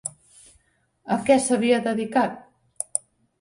A què s'havia dedicat?